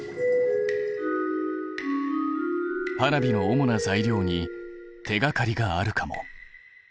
花火の主な材料に手がかりがあるかも。